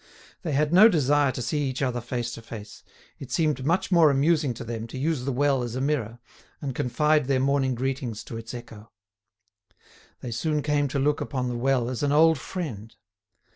They had no desire to see each other face to face: it seemed much more amusing to them to use the well as a mirror, and confide their morning greetings to its echo. They soon came to look upon the well as an old friend.